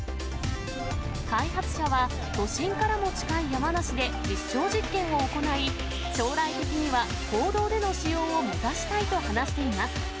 開発者は都心からも近い山梨で実証実験を行い、将来的には公道での使用を目指したいと話しています。